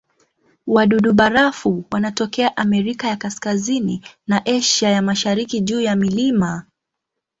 Wadudu-barafu wanatokea Amerika ya Kaskazini na Asia ya Mashariki juu ya milima.